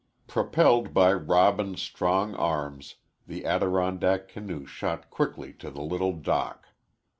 Propelled by Robin's strong arms, the Adirondack canoe shot quickly to the little dock.